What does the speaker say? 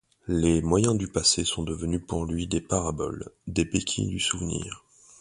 Les moyens du passé sont devenus pour lui des paraboles, des béquilles du souvenir.